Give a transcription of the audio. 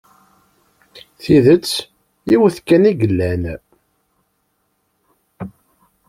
Tidett yiwet kan i yellan.